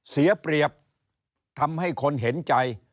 เสียเปรียบทำให้คนเห็นใจ